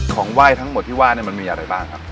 ของไหว้ทั้งหมดที่ว่ามันมีอะไรบ้างครับ